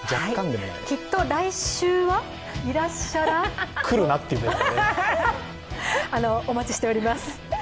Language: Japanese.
きっと来週はいらっしゃらお待ちしております。